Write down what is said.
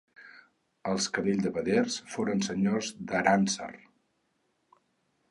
Els Cadell de Beders foren senyors d'Arànser.